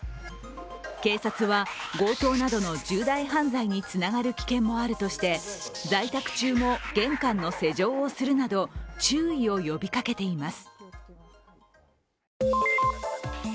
警察は、強盗などの重大犯罪につながる危険もあるとして在宅中も、玄関の施錠をするなど注意を呼びかけています。